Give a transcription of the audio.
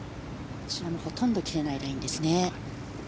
こちらもほとんど切れないラインですね。